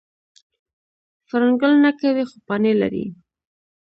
فرن ګل نه کوي خو پاڼې لري